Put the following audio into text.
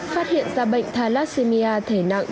phát hiện ra bệnh thalassemia thể nặng